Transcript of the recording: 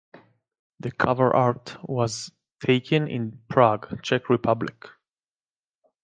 The cover art was taken in Prague, Czech Republic.